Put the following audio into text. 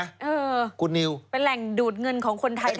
เออคุณนิวเป็นแหล่งดูดเงินของคนไทย